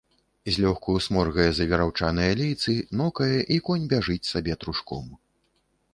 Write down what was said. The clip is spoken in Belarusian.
Злёгку сморгае за вераўчаныя лейцы, нокае, і конь бяжыць сабе трушком.